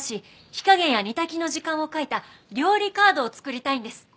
火加減や煮炊きの時間を書いた料理カードを作りたいんです。